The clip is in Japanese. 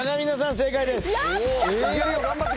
正解です。